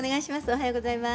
おはようございます。